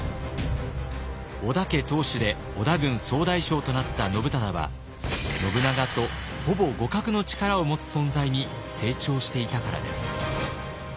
織田家当主で織田軍総大将となった信忠は信長とほぼ互角の力を持つ存在に成長していたからです。